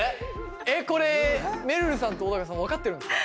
えっこれめるるさんと小高さん分かってるんですか？